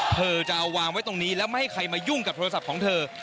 เธอจะเอาวางไว้ตรงนี้แล้วไม่ให้ใครมายุ่งกับโทรศัพท์ของเธอ